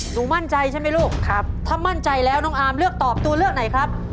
มั่นใจใช่ไหมลูกครับถ้ามั่นใจแล้วน้องอาร์มเลือกตอบตัวเลือกไหนครับ